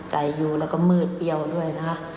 อยู่แล้วก็มืดเปรี้ยวด้วยนะคะ